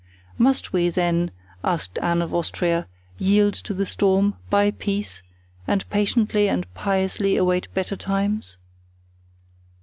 "Must we, then," asked Anne of Austria, "yield to the storm, buy peace, and patiently and piously await better times?"